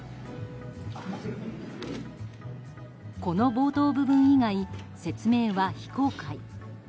この冒頭部分以外説明は非公開。